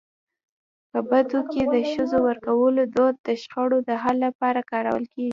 په بدو کي د ښځو ورکولو دود د شخړو د حل لپاره کارول کيږي.